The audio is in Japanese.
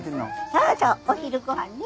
そうそうお昼ご飯ね。